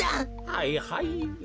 はいはい。